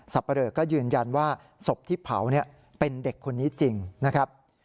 ปะเหลอก็ยืนยันว่าศพที่เผาเป็นเด็กคนนี้จริงนะครับ